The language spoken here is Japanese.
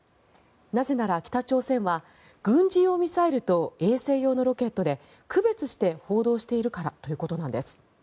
なぜなら、北朝鮮は軍事用ミサイルと衛星用のロケットで区別して報道しているからということなんです。